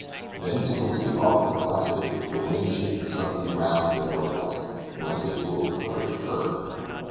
Then to complete our perplexity, the wind shifted suddenly round to the northwest, whence it blew a perfect hurricane.